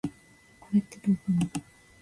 これってドーパミン？